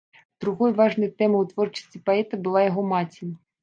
Другой важнай тэмай у творчасці паэта была яго маці.